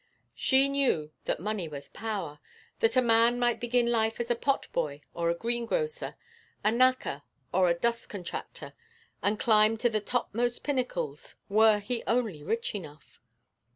She knew that money was power, that a man might begin life as a pot boy or a greengrocer, a knacker or a dust contractor, and climb to the topmost pinnacles, were he only rich enough.